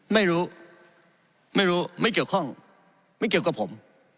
ไม่รู้ไม่รู้ไม่เกี่ยวข้องไม่เกี่ยวกับผม